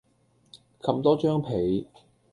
冚多張被